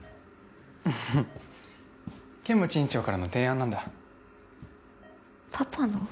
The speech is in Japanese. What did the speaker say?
うん剣持院長からの提案なんだパパの？